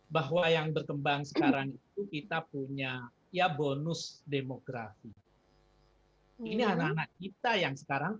bahwa yang berkembang sekarang itu kita punya ya bonus demografi ini anak anak kita yang sekarang